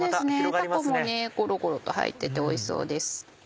たこもゴロゴロと入ってておいしそうです。